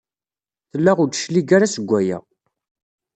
Tella ur d-teclig ara seg waya.